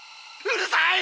うるさい！